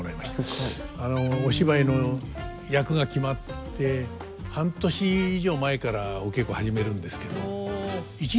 すごい。お芝居の役が決まって半年以上前からお稽古始めるんですけど。